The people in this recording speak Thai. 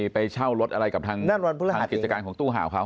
ไปเช่ารถอะไรกับทางกิจการของตู้ห่าวเขา